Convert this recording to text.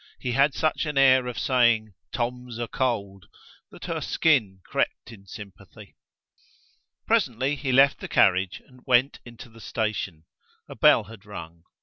He had such an air of saying, "Tom's a cold", that her skin crept in sympathy. Presently he left the carriage and went into the station: a bell had rung.